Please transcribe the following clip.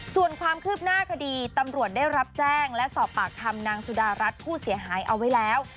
ส่วนความคืบหน้าคดีตำรวจได้รับแจ้งและสอบปากคำนางสุดารัฐผู้เสียหายเอาไว้แล้ว